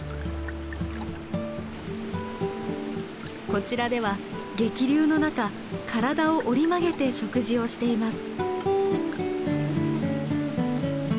こちらでは激流の中体を折り曲げて食事をしています。